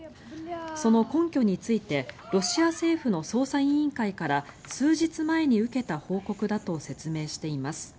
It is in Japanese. その根拠についてロシア政府の捜査委員会から数日前に受けた報告だと説明しています。